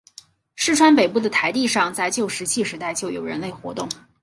市川北部的台地上在旧石器时代就有人类活动。